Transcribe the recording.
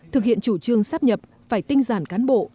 thực hiện chủ trương sắp nhập phải tinh giản cán bộ